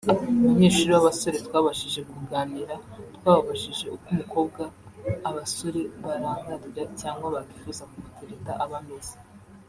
Abanyeshuri b’abasore twabashije kuganira twababajije uko umukobwa abasore barangarira cyangwa bakifuza kumutereta aba ameze